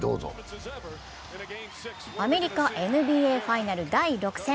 アメリカＮＢＡファイナル第６戦。